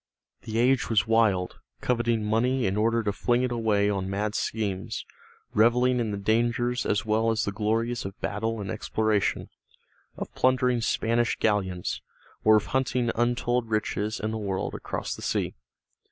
The age was wild, coveting money in order to fling it away on mad schemes, reveling in the dangers as well as the glories of battle and exploration, of plundering Spanish galleons, or of hunting untold riches in the world across the sea.